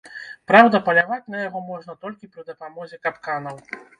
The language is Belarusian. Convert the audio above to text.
Праўда, паляваць на яго можна толькі пры дапамозе капканаў.